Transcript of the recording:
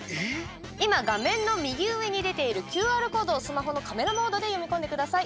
今、画面の右上に出ているＱＲコードをスマホのカメラモードで読み込んでください。